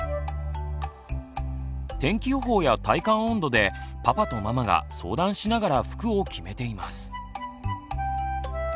天気予報や体感温度でパパとママが相談しながら服を決めています。